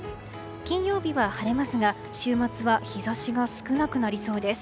金曜日は晴れますが、週末は日差しが少なくなりそうです。